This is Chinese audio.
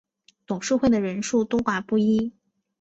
董事会的人数多寡不一。